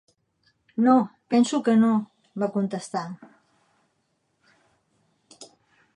"No, penso que no", va contestar.